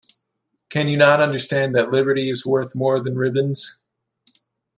Can you not understand that liberty is worth more than ribbons?